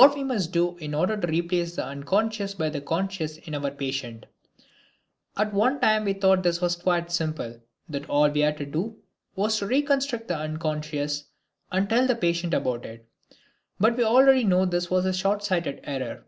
What must we do in order to replace the unconscious by the conscious in our patient? At one time we thought this was quite simple, that all we had to do was to reconstruct the unconscious and then tell the patient about it. But we already know this was a shortsighted error.